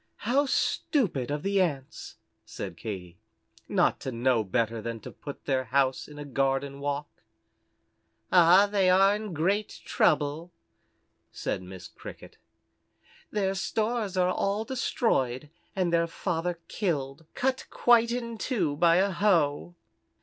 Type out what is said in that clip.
"How stupid of the Ants," said Katy, "not to know better than to put their house in a garden walk." "Ah, they are in great trouble," said Miss Cricket. "Their stores are all destroyed, and their father killed cut quite in two by a hoe."